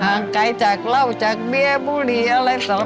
ห่างไกลจากเหล้าจากเบี้ยบุหรี่อะไรสักพันธุ์